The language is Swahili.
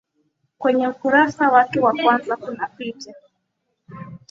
kwenye ukurasa wake wa kwanza kuna picha